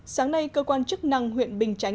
sáng nay cơ quan chức năng huyện bình chánh